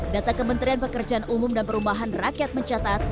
data kementerian pekerjaan umum dan perumahan rakyat mencatat